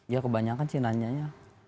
ya kebanyakan sih nanyanya